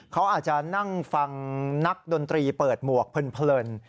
เขาอาจจะนั่งฟังนักดนตรีเปิดหมวกเพลิน